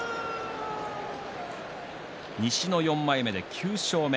西の４枚目で９勝目。